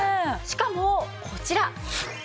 しかもこちら。